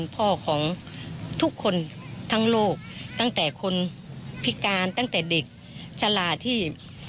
พ่อของทุกคนทั้งโลกตั้งแต่คนพิการตั้งแต่เด็กฉลาดที่